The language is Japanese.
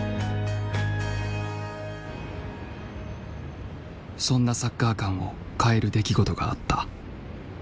そんなサッカー観を変える出来事があった。